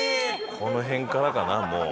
この辺からかなもう。